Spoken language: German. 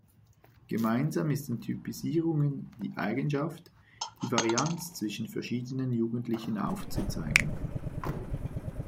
Gemeinsam ist den Typisierungen die Eigenschaft, die Varianz zwischen verschiedenen Jugendlichen aufzuzeigen.